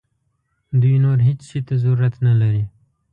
دوی نور هیڅ شي ته ضرورت نه لري.